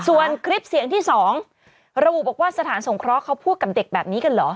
ส่วนคลิปเสียงที่๒ระบุบอกว่าสถานสงเคราะห์เขาพูดกับเด็กแบบนี้กันเหรอ